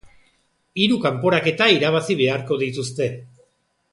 Hiru kanporaketa irabazi beharko dituzte.